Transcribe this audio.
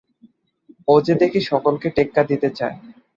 ও যে দেখি সকলকে টেক্কা দিতে চায়।